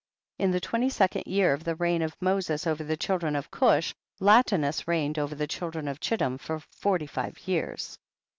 7. In the twenty second year of the reign of Moses over the children of Cush, Latinus reigned over the children of Chittim forty five years.